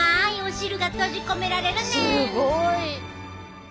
すごい！